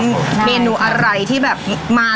ได้ดีว่าเมนูอะไรที่แบบที่ประกฎ